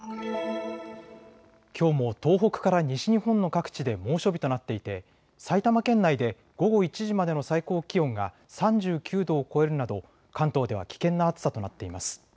きょうも東北から西日本の各地で猛暑日となっていて埼玉県内で午後１時までの最高気温が３９度を超えるなど関東では危険な暑さとなっています。